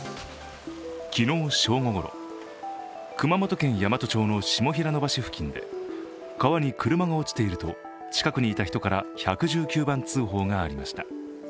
昨日正午ごろ、熊本県山都町の下平野橋付近で川に車が落ちていると、近くにいた人から１１９番通報がありました。